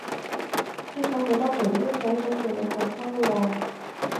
聽講好多妹妹仔想做你學生喎